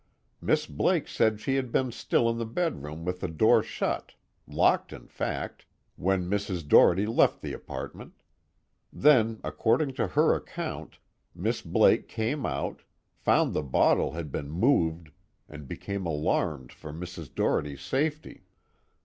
Miss Blake said she had been still in the bedroom with the door shut locked, in fact when Mrs. Doherty left the apartment. Then, according to her account, Miss Blake came out, found the bottle had been moved, and became alarmed for Mrs. Doherty's safety."